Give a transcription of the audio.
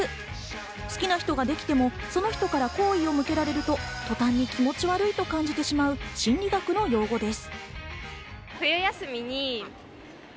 好きな人ができても、その人から好意を向けられると、とたんに気持ち悪いと感じてしまう心理学の用語です。